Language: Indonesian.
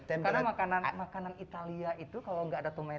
karena makanan italia itu kalau tidak ada tomat